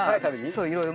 そういろいろ。